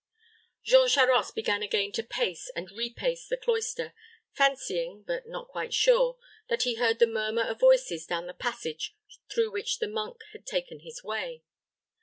Jean Charost began again to pace and repace the cloister, fancying, but not quite sure, that he heard the murmur of voices down the passage through which the monk had taken his way.